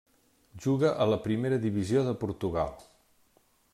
Juga a la Primera Divisió de Portugal.